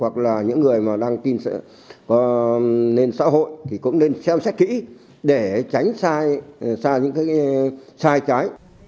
hoặc là những người mà đăng tin lên xã hội thì cũng nên xem xét kỹ để tránh sai trái